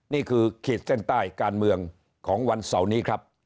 ขีดเส้นใต้การเมืองของวันเสาร์นี้ครับ